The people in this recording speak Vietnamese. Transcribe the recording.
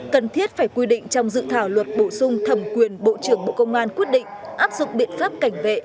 cần thiết phải quy định trong dự thảo luật bổ sung thẩm quyền bộ trưởng bộ công an quyết định áp dụng biện pháp cảnh vệ